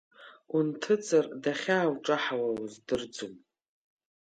Унҭыҵыр дахьаауҿаҳауа уздырӡом.